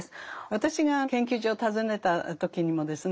私が研究所を訪ねた時にもですね